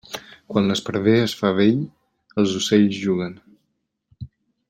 Quan l'esparver es fa vell, els ocells juguen.